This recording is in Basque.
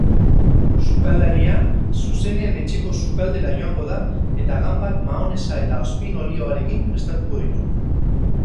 Sukaldaria zuzenean etxeko sukaldera joango da eta ganbak mahonesa eta ozpin-olioarekin prestatuko ditu.